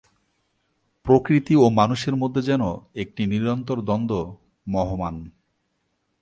প্রকৃতি ও মানুষের মধ্যে যেন একটি নিরন্তর দ্বন্দ মহমান।